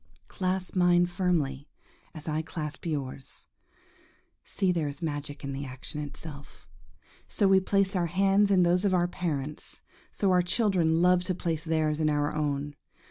Clasp mine firmly as I clasp yours. See, there is magic in the action itself! So we placed our hands in those of our parents; so our children love to place theirs in our own.